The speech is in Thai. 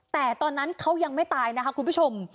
แต่ตอนนั้นเขายังไม่ตายนะคะคุณผู้ชม